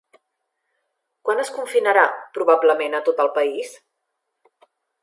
Quan es confinarà probablement a tot el país?